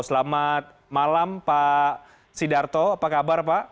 selamat malam pak sidarto apa kabar pak